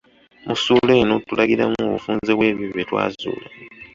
Mu ssuula eno, tulagiramu obufunze bw’ebyo bye twazuula.